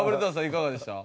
いかがでした？